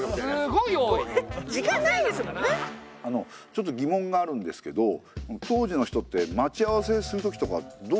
あのうちょっと疑問があるんですけど当時の人って待ち合わせするときとかどうしたんですかね？